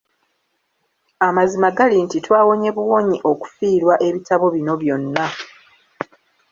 Amazima gali nti twawonye buwonyi okufiirwa ebitabo bino byonna.